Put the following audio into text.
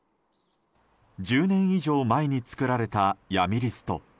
１０年以上前に作られた闇リスト。